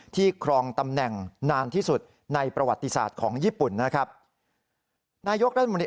ครองตำแหน่งนานที่สุดในประวัติศาสตร์ของญี่ปุ่นนะครับ